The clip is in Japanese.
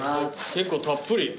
結構たっぷり。